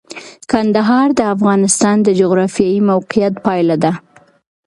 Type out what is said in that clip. کندهار د افغانستان د جغرافیایي موقیعت پایله ده.